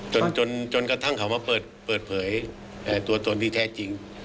จนกระทั่งเขามาเปิดเผยตัวตนที่แท้จริง